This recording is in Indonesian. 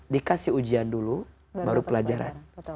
dikasih ujian dulu baru pelajaran